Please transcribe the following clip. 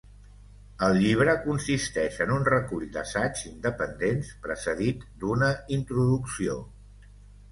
El llibre consisteix en un recull d’assaigs independents, precedit d’una introducció.